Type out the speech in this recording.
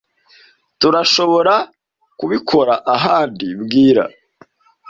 Turashoborakubikora ahandi mbwira